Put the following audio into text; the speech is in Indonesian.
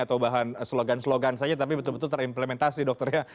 atau bahan slogan slogan saja tapi betul betul terimplementasi dokter ya